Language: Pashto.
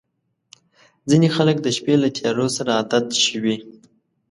• ځینې خلک د شپې له تیارو سره عادت شوي.